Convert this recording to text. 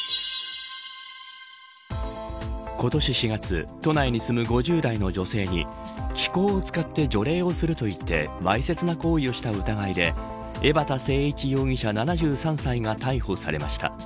今年４月都内に住む５０代の女性に気功を使って除霊をするといってわいせつな行為をした疑いで江畑誠一容疑者７３歳が逮捕されました。